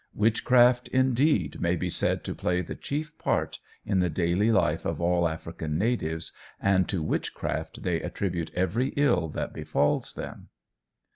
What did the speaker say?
Witchcraft, indeed, may be said to play the chief part in the daily life of all African natives, and to witchcraft they attribute every ill that befalls them.